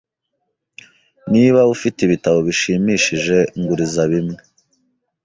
Niba ufite ibitabo bishimishije, nguriza bimwe.